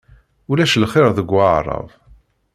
Ulac lxir deg Waɛrab.